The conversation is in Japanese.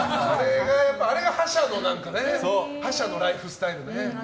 あれが覇者のライフスタイルね。